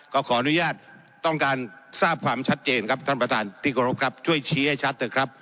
ก็ขออนุญาตต้องการทราบความชัดเจนครับท่านผู้ถูกรู้ครับช่วยชี้ให้ชัดเถอะครับ